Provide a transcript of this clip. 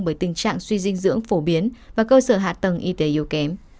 bởi tình trạng suy dinh dưỡng phổ biến và cơ sở hạ tầng y tế yếu kém